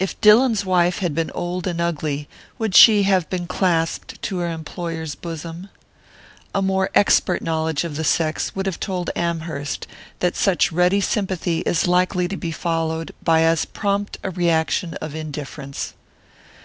If Dillon's wife had been old and ugly, would she have been clasped to her employer's bosom? A more expert knowledge of the sex would have told Amherst that such ready sympathy is likely to be followed by as prompt a reaction of indifference.